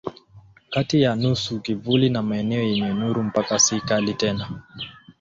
Kati ya nusu kivuli na maeneo yenye nuru mpaka si kali tena.